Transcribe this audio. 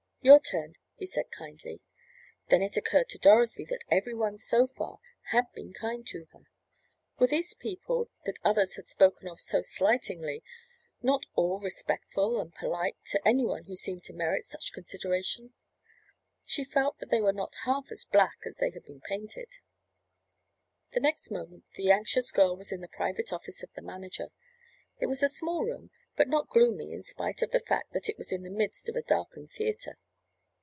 "Your turn," he said kindly. Then it occurred to Dorothy that every one so far had been kind to her. Were these people, that others had spoken of so slightingly, not all respectful and polite to any one who seemed to merit such consideration? She felt that they were not half as black as they had been painted. The next moment the anxious girl was in the private office of the manager. It was a small room, but not gloomy in spite of the fact that it was in the midst of a darkened theatre.